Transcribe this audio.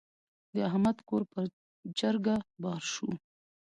د احمد کور پر چرګه بار شو.